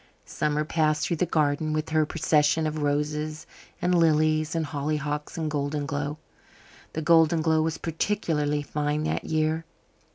Summer passed through the garden with her procession of roses and lilies and hollyhocks and golden glow. The golden glow was particularly fine that year.